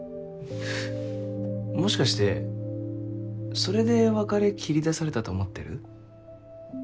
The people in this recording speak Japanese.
もしかしてそれで別れ切り出されたと思ってる？